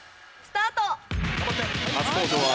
スタート！